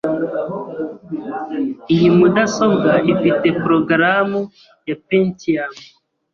Iyi mudasobwa ifite progaramu ya Pentium.